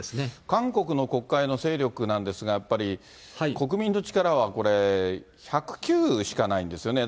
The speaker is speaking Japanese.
韓国の国会の勢力なんですが、やっぱり、国民の力はこれ、１０９しかないんですよね。